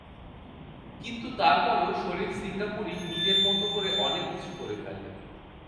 কিন্তু তারপরও শরিফ সিঙ্গাপুরি নিজের মতো করে অনেক কিছু করে ফেলে।